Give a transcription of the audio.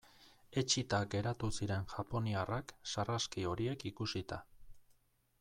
Etsita geratu ziren japoniarrak sarraski horiek ikusita.